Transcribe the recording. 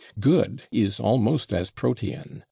/Good/ is almost as protean.